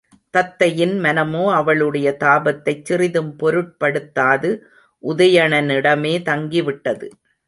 தத்தையின் மனமோ அவளுடைய தாபத்தைச் சிறிதும் பொருட்படுத்தாது உதயணனிடமே தங்கிவிட்டது.